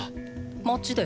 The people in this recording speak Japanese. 街で。